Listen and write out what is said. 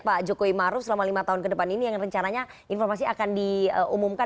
pak jokowi maruf selama lima tahun ke depan ini yang rencananya informasi akan diumumkan